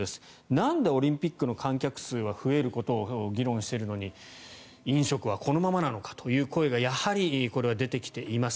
なんでオリンピックの観客数は増えることを議論しているのに飲食はこのままなのかという声がやはり、これは出てきています。